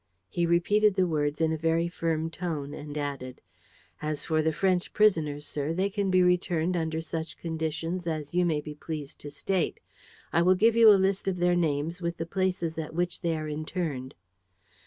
He repeated the words in a very firm tone and added: "As for the French prisoners, sir, they can be returned under such conditions as you may be pleased to state. I will give you a list of their names with the places at which they are interned."